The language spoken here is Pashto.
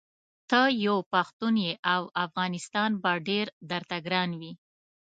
ته یو پښتون یې او افغانستان به ډېر درته ګران وي.